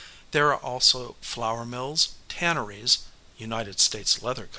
There are also flour mills, tanneries (United States Leather Co.)